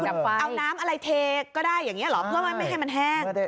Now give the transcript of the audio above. เอาน้ำอะไรเทก็ได้อย่างนี้เหรอเพื่อไม่ให้มันแห้ง